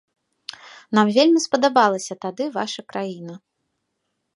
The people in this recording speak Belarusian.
Нам вельмі спадабалася тады ваша краіна.